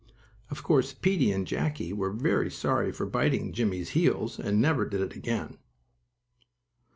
Of course Peetie and Jackie were very sorry for biting Jimmie's heels and never did it again.